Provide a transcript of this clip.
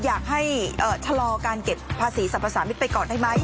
อยากให้ชะลอการเก็บภาษีสรรพสามิตรไปก่อนได้ไหม